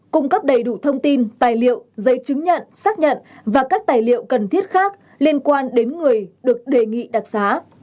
cung cấp đầy đủ thông tin tài liệu giấy chứng nhận xác nhận và các tài liệu cần thiết khác liên quan đến người được đề nghị đặc xá